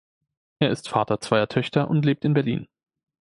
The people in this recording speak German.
Er ist Vater zweier Töchter und lebt in Berlin.